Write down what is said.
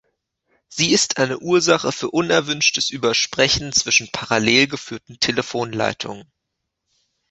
Sie ist eine Ursache für unerwünschtes Übersprechen zwischen parallel geführten Telefonleitungen.